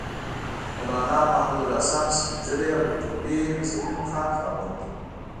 مولنا محمودالحسن سپین ږیری او د قوي مذهبي مقام خاوند دی.